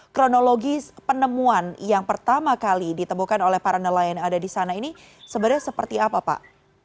kronologi penemuan yang pertama kali ditemukan oleh para nelayan yang ada di sana ini sebenarnya seperti apa pak